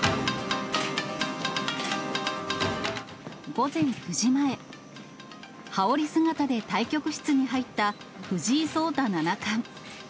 午前９時前、羽織姿で対局室に入った藤井聡太七冠。